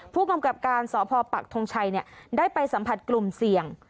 ผู้กำกับการสพปักทงชัยได้ไปสัมผัสกลุ่มเสี่ยง